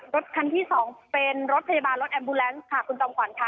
รถคันที่สองเป็นรถพยาบาลรถแอมบูแลนซ์ค่ะคุณจอมขวัญค่ะ